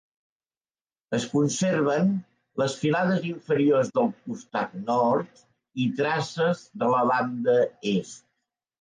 Es conserven les filades inferiors del costat nord i traces de la banda est.